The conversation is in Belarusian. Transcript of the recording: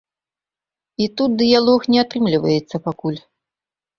І тут дыялог не атрымліваецца пакуль.